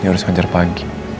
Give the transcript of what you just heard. dia harus ngajar pagi